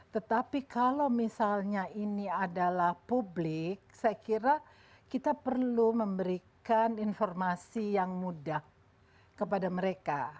tetapi kalau misalnya ini adalah publik saya kira kita perlu memberikan informasi yang mudah kepada mereka